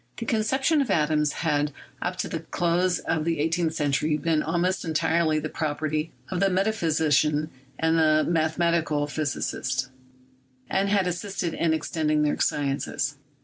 The conception of atoms had up to the close of the eighteenth century been almost entirely the property of the metaphysician and the mathematical physicist, and had assisted in extending their sciences.